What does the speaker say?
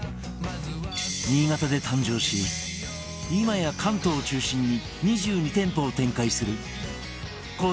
新潟で誕生し今や関東を中心に２２店舗を展開する